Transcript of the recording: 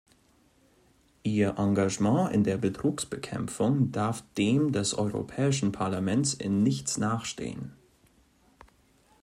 Ihr Engagement in der Betrugsbekämpfung darf dem des Europäischen Parlaments in nichts nachstehen.